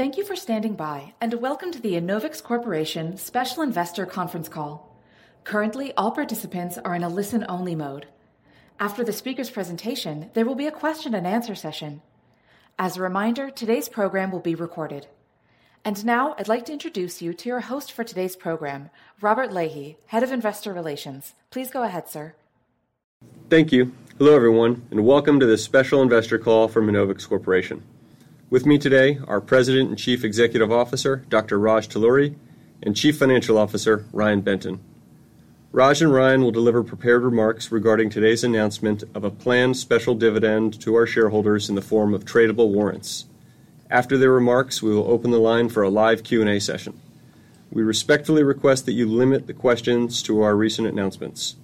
Thank you for standing by, and welcome to the Enovix Corporation Special Investor Conference Call. Currently, all participants are in a listen-only mode. After the speaker's presentation, there will be a question-and-answer session. As a reminder, today's program will be recorded. And now, I'd like to introduce you to your host for today's program, Robert Lahey, Head of Investor Relations. Please go ahead, sir. Thank you. Hello, everyone, and welcome to this Special Investor Call from Enovix Corporation. With me today are President and Chief Executive Officer Dr. Raj Talluri and Chief Financial Officer Ryan Benton. Raj and Ryan will deliver prepared remarks regarding today's announcement of a planned special dividend to our shareholders in the form of tradable warrants. After their remarks, we will open the line for a live Q&A session. We respectfully request that you limit the questions to our recent announcements.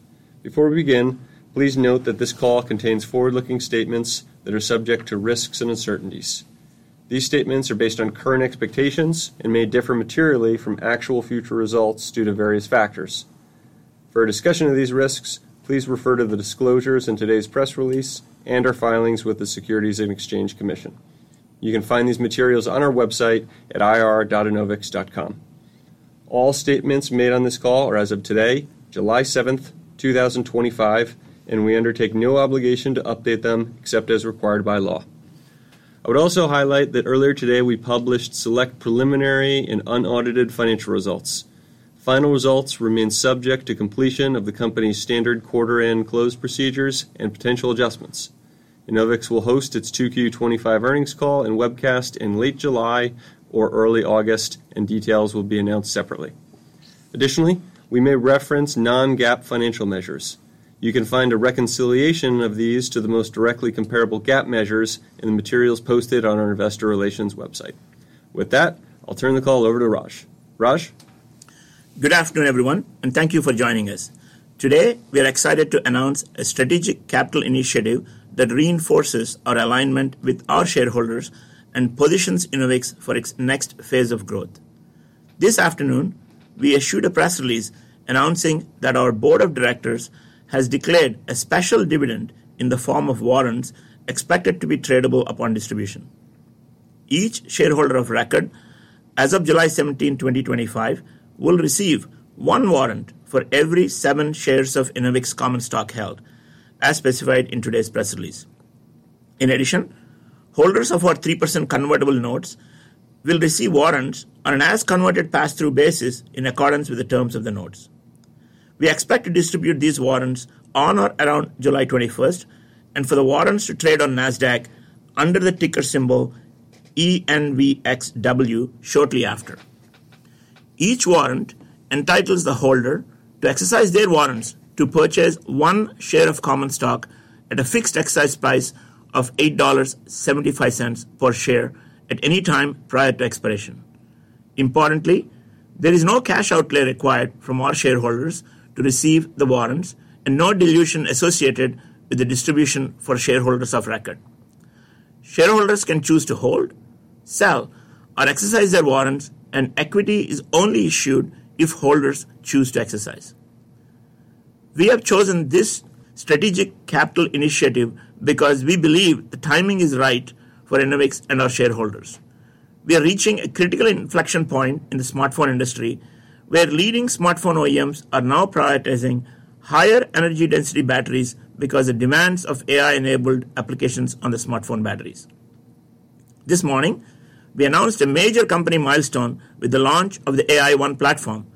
Before we begin, please note that this call contains forward-looking statements that are subject to risks and uncertainties. These statements are based on current expectations and may differ materially from actual future results due to various factors. For a discussion of these risks, please refer to the disclosures in today's press release and our filings with the Securities and Exchange Commission. You can find these materials on our website at ir.enovix.com. All statements made on this call are as of today, July 7, 2025, and we undertake no obligation to update them except as required by law. I would also highlight that earlier today we published select preliminary and unaudited financial results. Final results remain subject to completion of the company's standard quarter-end close procedures and potential adjustments. Enovix will host its Q2 2025 earnings call and webcast in late July or early August, and details will be announced separately. Additionally, we may reference non-GAAP financial measures. You can find a reconciliation of these to the most directly comparable GAAP measures in the materials posted on our Investor Relations website. With that, I'll turn the call over to Raj. Raj? Good afternoon, everyone, and thank you for joining us. Today, we are excited to announce a strategic capital initiative that reinforces our alignment with our shareholders and positions Enovix for its next phase of growth. This afternoon, we issued a press release announcing that our Board of Directors has declared a special dividend in the form of warrants expected to be tradable upon distribution. Each shareholder of record, as of July 17, 2025, will receive one warrant for every seven shares of Enovix Common Stock held, as specified in today's press release. In addition, holders of our 3% Convertible Notes will receive warrants on an as-converted pass-through basis in accordance with the terms of the notes. We expect to distribute these warrants on or around July 21, 2025 and for the warrants to trade on Nasdaq under the ticker symbol ENVXW shortly after. Each warrant entitles the holder to exercise their warrants to purchase one share of common stock at a fixed exercise price of $8.75 per share at any time prior to expiration. Importantly, there is no cash outlay required from our shareholders to receive the warrants and no dilution associated with the distribution for shareholders of record. Shareholders can choose to hold, sell, or exercise their warrants, and equity is only issued if holders choose to exercise. We have chosen this strategic capital initiative because we believe the timing is right for Enovix and our shareholders. We are reaching a critical inflection point in the smartphone industry, where leading smartphone OEMs are now prioritizing higher energy density batteries because of the demands of AI-enabled applications on the smartphone batteries. This morning, we announced a major company milestone with the launch of the AI-1 platform,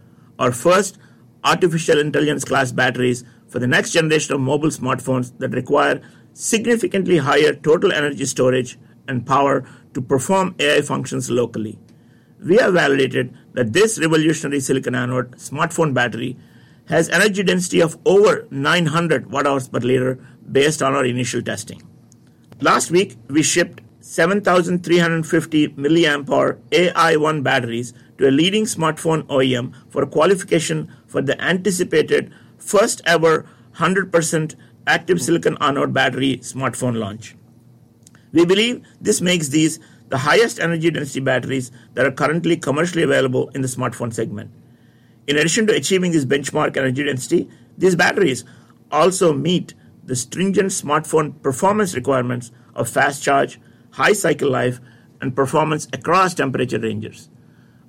our first artificial intelligence-class batteries for the next generation of mobile smartphones that require significantly higher total energy storage and power to perform AI functions locally. We have validated that this revolutionary silicon anode smartphone battery has an energy density of over 900 watt-hours per liter based on our initial testing. Last week, we shipped 7,350 milliamp-hour AI-1 batteries to a leading smartphone OEM for qualification for the anticipated first-ever 100% active silicon anode battery smartphone launch. We believe this makes these the highest energy density batteries that are currently commercially available in the smartphone segment. In addition to achieving this benchmark energy density, these batteries also meet the stringent smartphone performance requirements of fast charge, high cycle life, and performance across temperature ranges.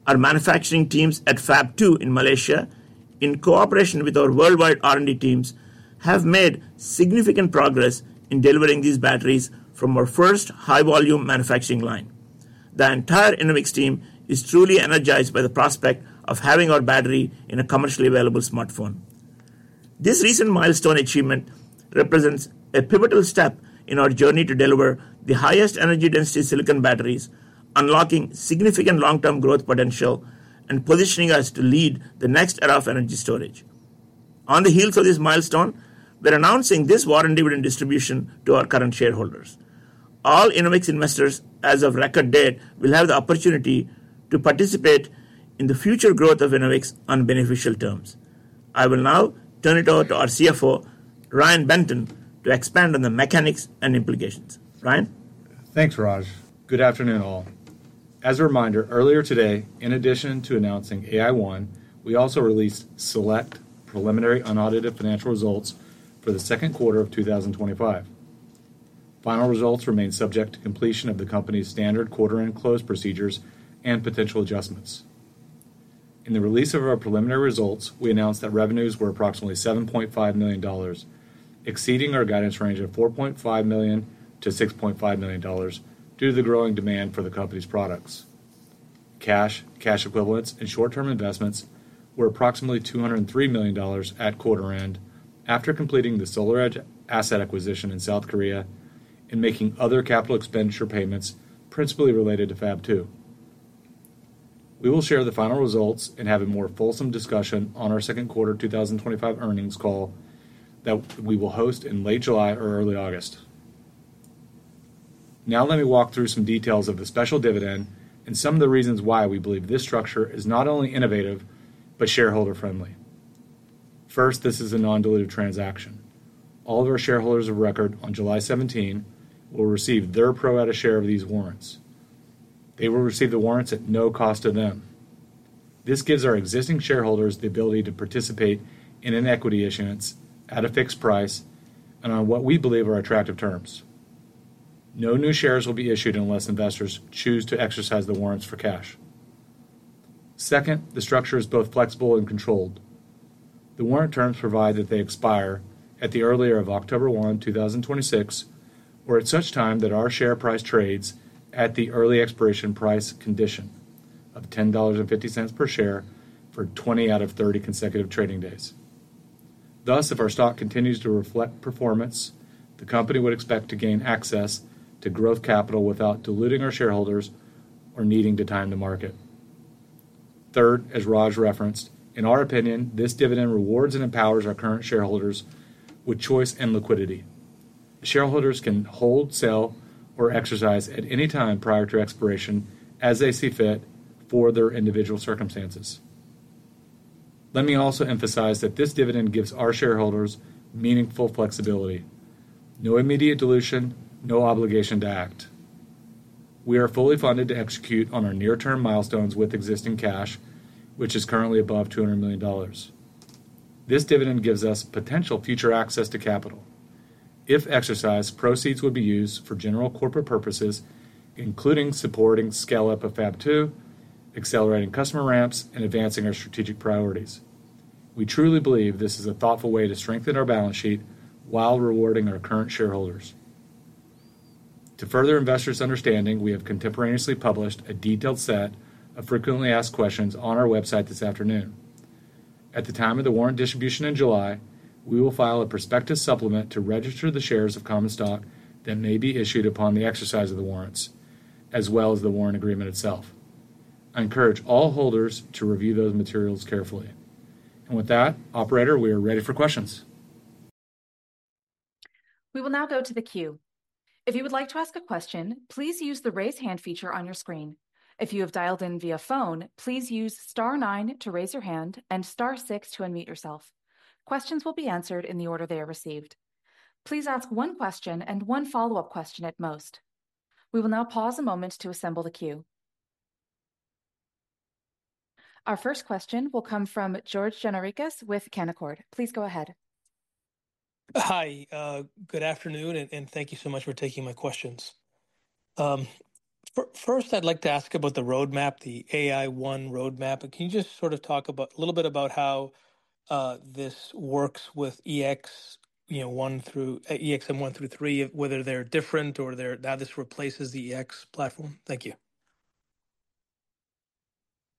Our manufacturing teams at Fab 2 in Malaysia, in cooperation with our worldwide R&D teams, have made significant progress in delivering these batteries from our first high-volume manufacturing line. The entire Enovix team is truly energized by the prospect of having our battery in a commercially available smartphone. This recent milestone achievement represents a pivotal step in our journey to deliver the highest energy density silicon batteries, unlocking significant long-term growth potential and positioning us to lead the next era of energy storage. On the heels of this milestone, we're announcing this warrant distribution to our current shareholders. All Enovix investors, as of record date, will have the opportunity to participate in the future growth of Enovix on beneficial terms. I will now turn it over to our CFO, Ryan Benton, to expand on the mechanics and implications. Ryan? Thanks, Raj. Good afternoon, all. As a reminder, earlier today, in addition to announcing AI-1, we also released select preliminary unaudited financial results for the Q2 of 2025. Final results remain subject to completion of the company's standard quarter-end close procedures and potential adjustments. In the release of our preliminary results, we announced that revenues were approximately $7.5 million, exceeding our guidance range of $4.5 million-$6.5 million due to the growing demand for the company's products. Cash, cash equivalents, and short-term investments were approximately $203 million at quarter-end after completing the SolarEdge asset acquisition in South Korea and making other capital expenditure payments principally related to Fab 2. We will share the final results and have a more fulsome discussion on our Q2 2025 earnings call that we will host in late July or early August. Now, let me walk through some details of the special dividend and some of the reasons why we believe this structure is not only innovative but shareholder-friendly. First, this is a non-dilutive transaction. All of our shareholders of record on July 17, 2025 will receive their pro rata share of these warrants. They will receive the warrants at no cost to them. This gives our existing shareholders the ability to participate in equity issuance at a fixed price and on what we believe are attractive terms. No new shares will be issued unless investors choose to exercise the warrants for cash. Second, the structure is both flexible and controlled. The warrant terms provide that they expire at the earlier of October 1, 2026, or at such time that our share price trades at the early expiration price condition of $10.50 per share for 20 out of 30 consecutive trading days. Thus, if our stock continues to reflect performance, the company would expect to gain access to growth capital without diluting our shareholders or needing to time the market. Third, as Raj referenced, in our opinion, this dividend rewards and empowers our current shareholders with choice and liquidity. Shareholders can hold, sell, or exercise at any time prior to expiration as they see fit for their individual circumstances. Let me also emphasize that this dividend gives our shareholders meaningful flexibility. No immediate dilution, no obligation to act. We are fully funded to execute on our near-term milestones with existing cash, which is currently above $200 million. This dividend gives us potential future access to capital. If exercised, proceeds would be used for general corporate purposes, including supporting scale-up of Fab 2, accelerating customer ramps, and advancing our strategic priorities. We truly believe this is a thoughtful way to strengthen our balance sheet while rewarding our current shareholders. To further investors' understanding, we have contemporaneously published a detailed set of frequently asked questions on our website this afternoon. At the time of the warrant distribution in July, we will file a prospectus supplement to register the shares of common stock that may be issued upon the exercise of the warrants, as well as the warrant agreement itself. I encourage all holders to review those materials carefully. And with that, Operator, we are ready for questions. We will now go to the queue. If you would like to ask a question, please use the raise hand feature on your screen. If you have dialed in via phone, please use star nine to raise your hand and star six to unmute yourself. Questions will be answered in the order they are received. Please ask one question and one follow-up question at most. We will now pause a moment to assemble the queue. Our first question will come from George Gianarikas with Canaccord. Please go ahead. Hi. Good afternoon, and thank you so much for taking my questions. First, I'd like to ask about the roadmap, the AI-1 roadmap. Can you just sort of talk a little bit about how this works with EX-1M through EX-3M, whether they're different or now this replaces the EX platform? Thank you.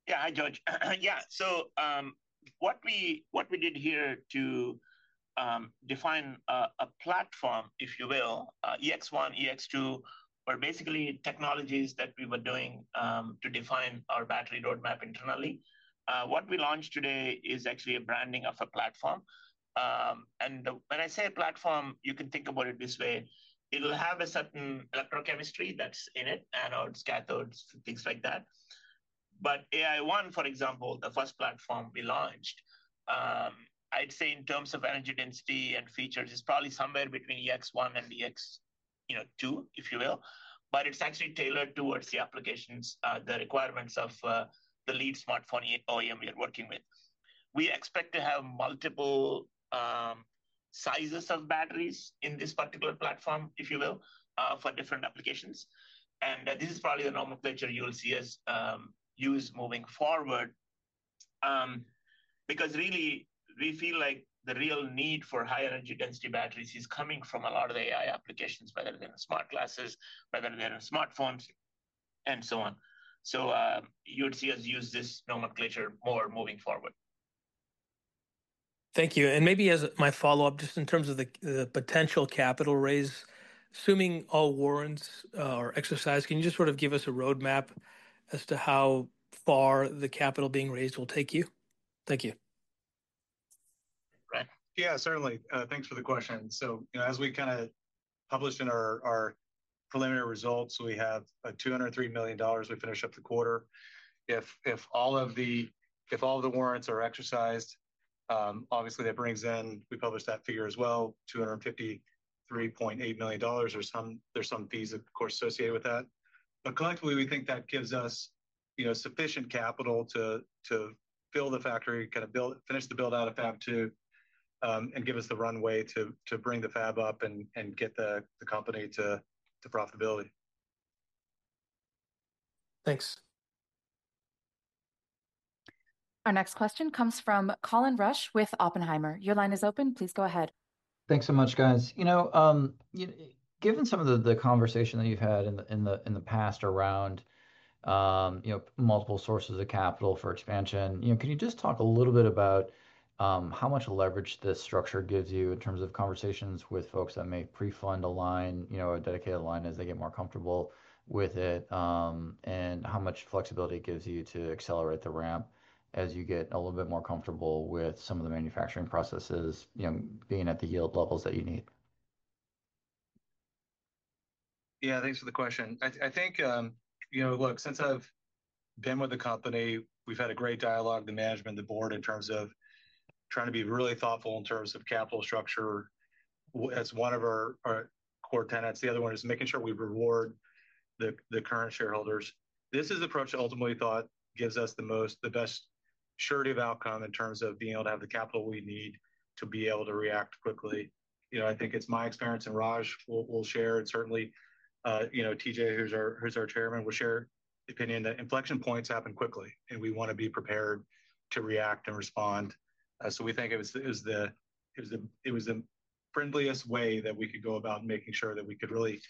Yeah, hi, George. Yeah, so what we did here to define a platform, if you will, EX-1, EX-2, were basically technologies that we were doing to define our battery roadmap internally. What we launched today is actually a branding of a platform. And when I say a platform, you can think about it this way. It'll have a certain electrochemistry that's in it, anodes, cathodes, things like that. But AI-1, for example, the first platform we launched, I'd say in terms of energy density and features, is probably somewhere between EX-1 and EX-2, if you will, but it's actually tailored towards the applications, the requirements of the lead smartphone OEM we are working with. We expect to have multiple sizes of batteries in this particular platform, if you will, for different applications. And this is probably the nomenclature you'll see us use moving forward because really, we feel like the real need for high energy density batteries is coming from a lot of the AI applications, whether they're in smart glasses, whether they're in smartphones, and so on. So you would see us use this nomenclature more moving forward. Thank you. And maybe as my follow-up, just in terms of the potential capital raise, assuming all warrants are exercised, can you just sort of give us a roadmap as to how far the capital being raised will take you? Thank you. Yeah, certainly. Thanks for the question. So as we kind of published in our preliminary results, we have $203 million we finish up the quarter. If all of the warrants are exercised, obviously, that brings in, we published that figure as well, $253.8 million or some. There's some fees, of course, associated with that. But collectively, we think that gives us sufficient capital to fill the factory, kind of finish the build-out of Fab 2, and give us the runway to bring the Fab up and get the company to profitability. Thanks. Our next question comes from Colin Rusch with Oppenheimer. Your line is open. Please go ahead. Thanks so much, guys. Given some of the conversation that you've had in the past around multiple sources of capital for expansion, can you just talk a little bit about how much leverage this structure gives you in terms of conversations with folks that may prefund a line, a dedicated line as they get more comfortable with it, and how much flexibility it gives you to accelerate the ramp as you get a little bit more comfortable with some of the manufacturing processes being at the yield levels that you need? Yeah, thanks for the question. I think, look, since I've been with the company, we've had a great dialogue, the management, the board, in terms of trying to be really thoughtful in terms of capital structure. That's one of our core tenets. The other one is making sure we reward the current shareholders. This is the approach that ultimately thought gives us the best surety of outcome in terms of being able to have the capital we need to be able to react quickly. I think it's my experience, and Raj will share, and certainly T.J., who's our Chairman, will share the opinion that inflection points happen quickly, and we want to be prepared to react and respond. So we think it was the friendliest way that we could go about making sure that we could really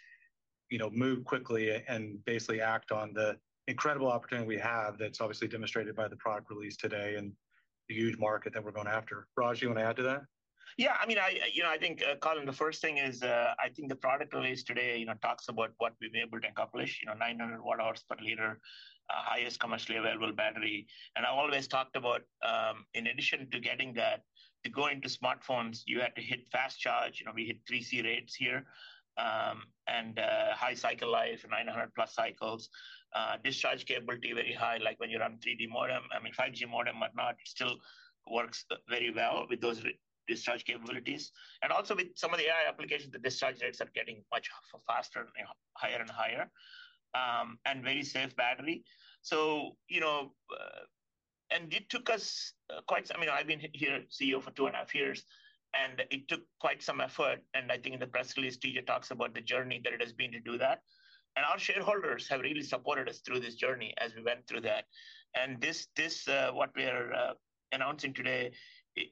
move quickly and basically act on the incredible opportunity we have that's obviously demonstrated by the product release today and the huge market that we're going after. Raj, do you want to add to that? Yeah, I mean, I think, Colin, the first thing is I think the product release today talks about what we've been able to accomplish, 900 watt-hours per liter, highest commercially available battery. And I always talked about, in addition to getting that, to go into smartphones, you had to hit fast charge. We hit 3C rates here and high cycle life, 900-plus cycles. Discharge capability very high, like when you run 3D modem, I mean, 5G modem, whatnot, still works very well with those discharge capabilities. And also with some of the AI applications, the discharge rates are getting much faster, higher and higher, and very safe battery. And it took us quite some, I mean, I've been here CEO for two and a half years, and it took quite some effort. I think in the press release, T.J. talks about the journey that it has been to do that. Our shareholders have really supported us through this journey as we went through that. What we are announcing today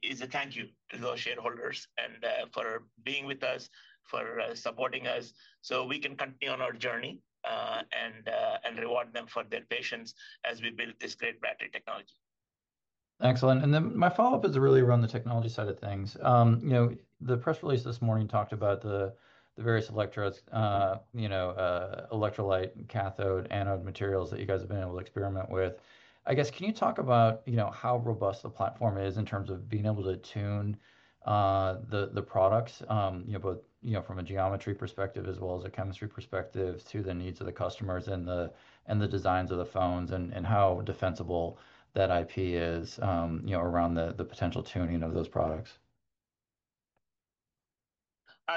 is a thank you to those shareholders and for being with us, for supporting us so we can continue on our journey and reward them for their patience as we build this great battery technology. Excellent. And then my follow-up is really around the technology side of things. The press release this morning talked about the various electrolyte, cathode, anode materials that you guys have been able to experiment with. I guess, can you talk about how robust the platform is in terms of being able to tune the products both from a geometry perspective as well as a chemistry perspective to the needs of the customers and the designs of the phones and how defensible that IP is around the potential tuning of those products?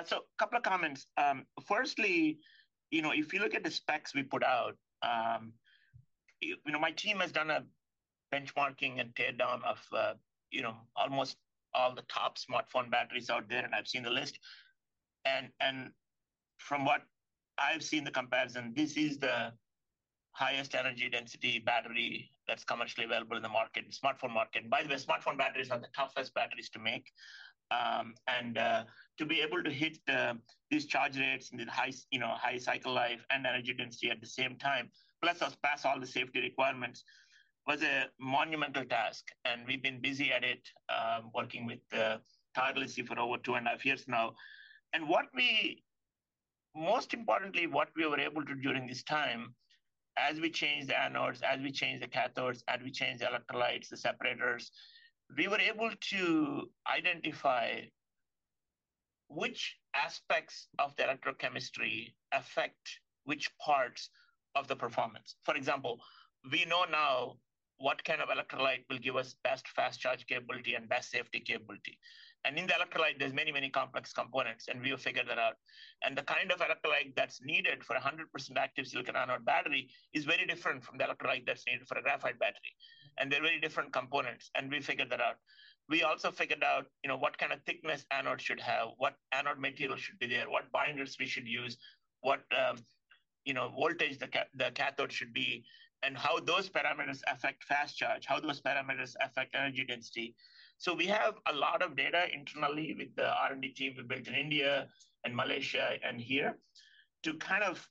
So a couple of comments. Firstly, if you look at the specs we put out, my team has done a benchmarking and teardown of almost all the top smartphone batteries out there, and I've seen the list. And from what I've seen the comparison, this is the highest energy density battery that's commercially available in the market, the smartphone market. By the way, smartphone batteries are the toughest batteries to make. And to be able to hit these charge rates and the high cycle life and energy density at the same time, plus pass all the safety requirements, was a monumental task. And we've been busy at it, working with tirelessly for over two and a half years now. And most importantly, what we were able to do during this time, as we changed the anodes, as we changed the cathodes, as we changed the electrolytes, the separators, we were able to identify which aspects of the electrochemistry affect which parts of the performance. For example, we know now what kind of electrolyte will give us best fast charge capability and best safety capability. And in the electrolyte, there's many, many complex components, and we have figured that out. And the kind of electrolyte that's needed for 100% active silicon anode battery is very different from the electrolyte that's needed for a graphite battery. And they're very different components, and we figured that out. We also figured out what kind of thickness anode should have, what anode material should be there, what binders we should use, what voltage the cathode should be, and how those parameters affect fast charge, how those parameters affect energy density. So we have a lot of data internally with the R&D team we built in India and Malaysia and here to kind of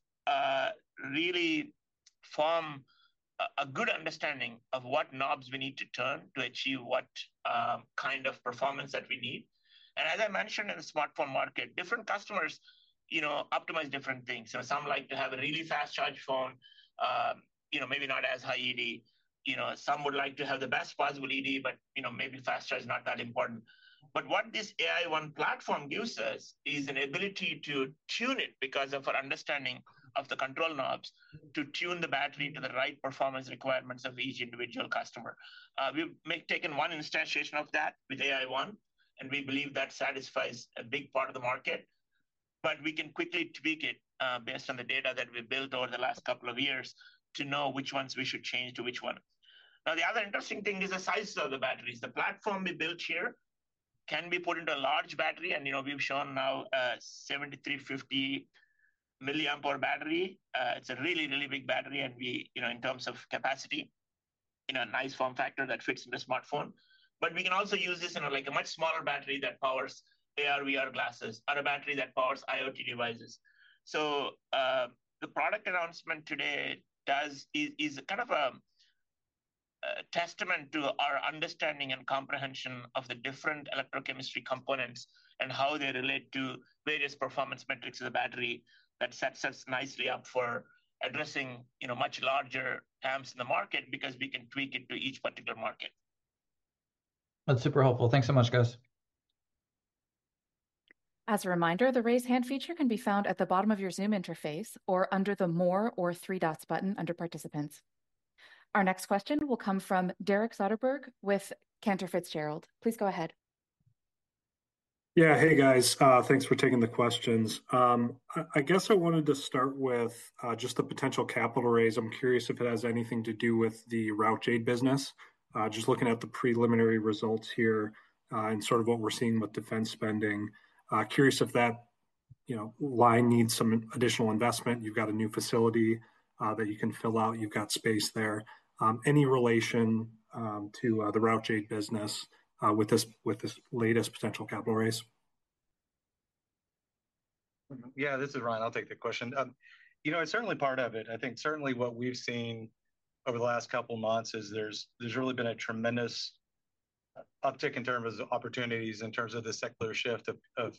really form a good understanding of what knobs we need to turn to achieve what kind of performance that we need. And as I mentioned in the smartphone market, different customers optimize different things. So some like to have a really fast charge phone, maybe not as high ED. Some would like to have the best possible ED, but maybe fast charge is not that important. But what this AI-1 platform gives us is an ability to tune it because of our understanding of the control knobs to tune the battery to the right performance requirements of each individual customer. We've taken one instantiation of that with AI-1, and we believe that satisfies a big part of the market. But we can quickly tweak it based on the data that we've built over the last couple of years to know which ones we should change to which one. Now, the other interesting thing is the size of the batteries. The platform we built here can be put into a large battery, and we've shown now a 7,350 milliamp-hour battery. It's a really, really big battery in terms of capacity, a nice form factor that fits in the smartphone. But we can also use this in a much smaller battery that powers AR, VR glasses, or a battery that powers IoT devices. So the product announcement today is kind of a testament to our understanding and comprehension of the different electrochemistry components and how they relate to various performance metrics of the battery that sets us nicely up for addressing much larger TAMs in the market because we can tweak it to each particular market. That's super helpful. Thanks so much, guys. As a reminder, the raise hand feature can be found at the bottom of your Zoom interface or under the more or three dots button under participants. Our next question will come from Derek Soderberg with Cantor Fitzgerald. Please go ahead. Yeah, hey, guys. Thanks for taking the questions. I guess I wanted to start with just the potential capital raise. I'm curious if it has anything to do with the Routejade business. Just looking at the preliminary results here and sort of what we're seeing with defense spending. Curious if that line needs some additional investment. You've got a new facility that you can fill out. You've got space there. Any relation to the Routejade business with this latest potential capital raise? Yeah, this is Ryan. I'll take the question. It's certainly part of it. I think certainly what we've seen over the last couple of months is there's really been a tremendous uptick in terms of opportunities in terms of the secular shift of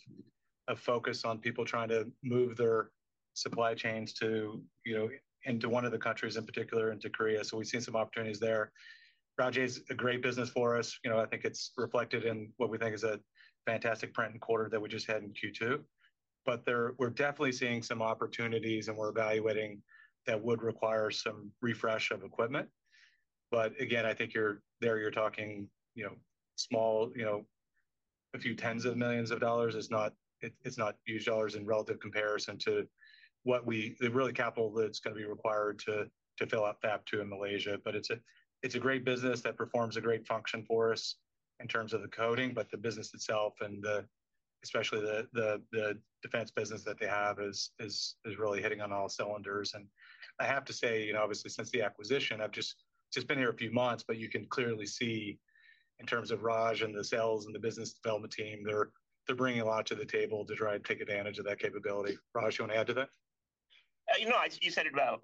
focus on people trying to move their supply chains into one of the countries in particular, into Korea. So we've seen some opportunities there. Routejade is a great business for us. I think it's reflected in what we think is a fantastic print and quarter that we just had in Q2. But we're definitely seeing some opportunities, and we're evaluating that would require some refresh of equipment. But again, I think there you're talking small, a few tens of millions of dollars. It's not huge dollars in relative comparison to what the real capital that's going to be required to fill up Fab 2 in Malaysia. But it's a great business that performs a great function for us in terms of the coding, but the business itself, and especially the defense business that they have, is really hitting on all cylinders. And I have to say, obviously, since the acquisition, I've just been here a few months, but you can clearly see in terms of Raj and the sales and the business development team, they're bringing a lot to the table to try to take advantage of that capability. Raj, you want to add to that? You said it well.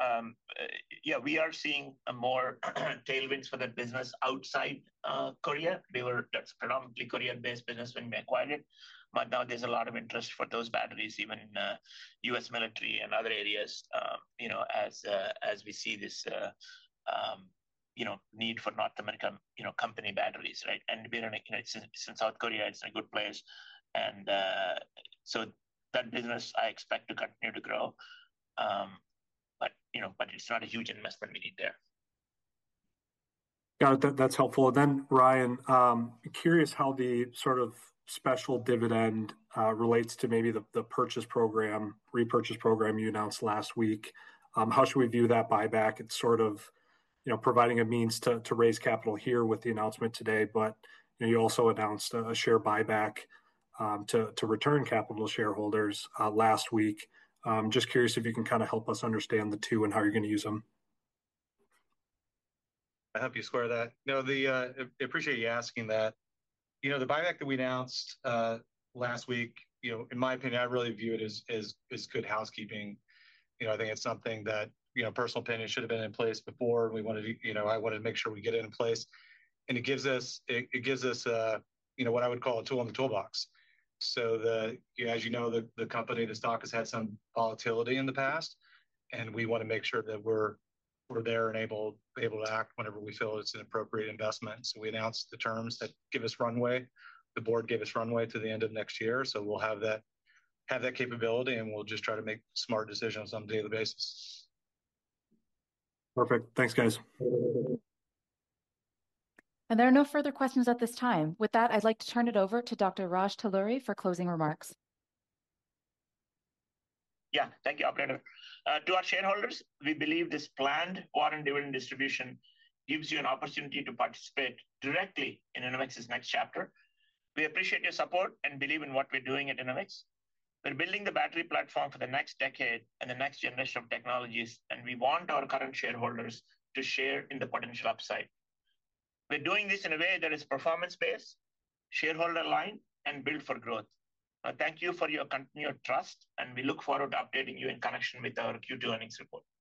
Yeah, we are seeing more tailwinds for that business outside Korea. That's predominantly Korean-based business when we acquired it. But now there's a lot of interest for those batteries, even in the US military and other areas, as we see this need for North American company batteries, right? And it's in South Korea. It's in a good place. And so that business, I expect to continue to grow. But it's not a huge investment we need there. Yeah, that's helpful. Then, Ryan, curious how the sort of special dividend relates to maybe the repurchase program you announced last week. How should we view that buyback? It's sort of providing a means to raise capital here with the announcement today. But you also announced a share buyback to return capital to shareholders last week. Just curious if you can kind of help us understand the two and how you're going to use them. I hope you square that. No, I appreciate you asking that. The buyback that we announced last week, in my opinion, I really view it as good housekeeping. I think it's something that personal opinion should have been in place before, and I wanted to make sure we get it in place, and it gives us what I would call a tool in the toolbox, so as you know, the company, the stock has had some volatility in the past, and we want to make sure that we're there and able to act whenever we feel it's an appropriate investment, so we announced the terms that give us runway. The board gave us runway to the end of next year, so we'll have that capability, and we'll just try to make smart decisions on a daily basis. Perfect. Thanks, guys. There are no further questions at this time. With that, I'd like to turn it over to Dr. Raj Talluri for closing remarks. Yeah, thank you, Operator. To our shareholders, we believe this planned warrant dividend distribution gives you an opportunity to participate directly in Enovix's next chapter. We appreciate your support and believe in what we're doing at Enovix. We're building the battery platform for the next decade and the next generation of technologies, and we want our current shareholders to share in the potential upside. We're doing this in a way that is performance-based, shareholder-aligned, and built for growth. Thank you for your continued trust, and we look forward to updating you in connection with our Q2 earnings report. Thank you.